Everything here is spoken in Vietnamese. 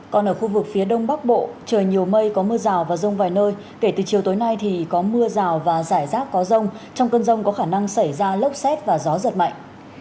còn ở khu vực phía đông bắc bộ trời nhiều mây có mưa rào và rông vài nơi kể từ chiều tối nay thì có mưa rào và rải rác có rông trong cơn rông có khả năng xảy ra lốc xét và gió giật mạnh